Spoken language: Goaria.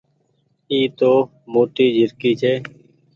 اي تو موٽي جهرڪي ڇي۔